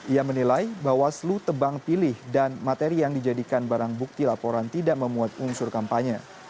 ia menilai bawaslu tebang pilih dan materi yang dijadikan barang bukti laporan tidak memuat unsur kampanye